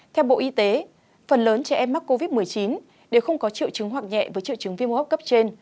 theo bộ y tế phần lớn trẻ em mắc covid một mươi chín đều không có triệu chứng hoặc nhẹ với triệu chứng viêm hô hấp cấp trên